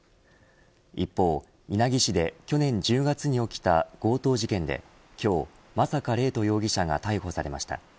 一方、稲城市で去年１０月に起きた強盗事件で、今日真坂怜斗容疑者が逮捕されました。